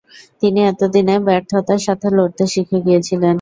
তিনি এতদিনে ব্যর্থতার সাথে লড়তে শিখে গিয়েছিলেন।